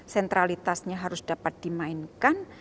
sentralitasnya harus dapat dimainkan